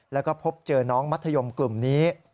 แล้วก็พบเจอน้องมัธยมกลุ่มนี้